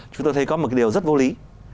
chúng tôi thấy có một cái điều rất vô lý